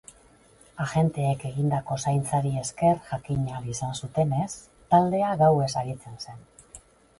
Agenteek egindako zaintzari esker jakin ahal izan zutenez, taldea gauez aritzen zen.